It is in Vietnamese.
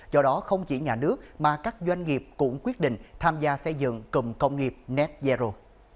do đó không chỉ nhà nước mà các doanh nghiệp cũng quyết định tham gia xây dựng cụm công nghiệp net zero